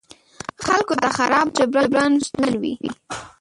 خلکو ته خراب بخت جبران ستونزمن وي.